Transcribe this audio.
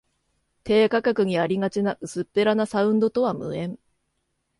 低価格にありがちな薄っぺらなサウンドとは無縁